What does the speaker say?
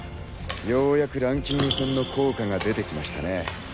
ようやくランキング戦の効果が出てきましたね。